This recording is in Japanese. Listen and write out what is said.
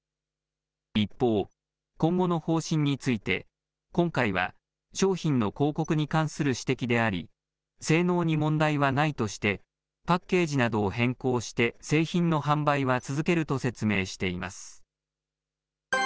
一方、今後の方針について、今回は商品の広告に関する指摘であり、性能に問題はないとして、パッケージなどを変更して、製品の販売は続けると説明しています。